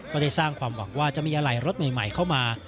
ก็ได้สร้างความหวังว่าจะมีอะไรรถใหม่เข้ามา